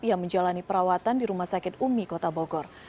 ia menjalani perawatan di rumah sakit umi kota bogor